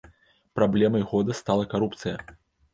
Праблемай года стала карупцыя!